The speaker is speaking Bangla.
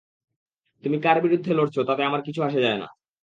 তুমি কার বিরুদ্ধে লড়ছো তাতে আমার কিছু যায়আসে না।